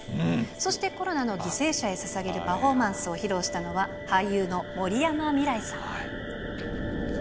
そしてコロナの犠牲者へ捧げるパフォーマンスを披露したのは、俳優の森山未來さん。